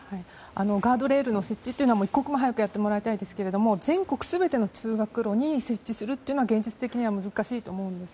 ガードレールの設置というのは一刻も早くやってもらいたいですが全国全ての通学路に設置するというのは現実的には難しいと思うんです。